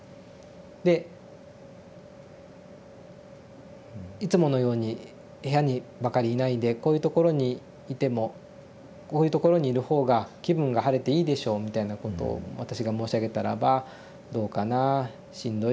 で「いつものように部屋にばかりいないでこういうところにいてもこういうところにいる方が気分が晴れていいでしょう」みたいなことを私が申し上げたらば「どうかなしんどいからね」ってこうおっしゃった。